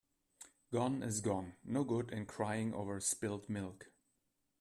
Gone is gone. No good in crying over spilt milk.